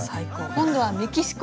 今度はメキシコ！